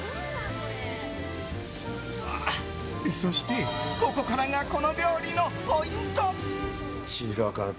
そして、ここからがこの料理のポイント。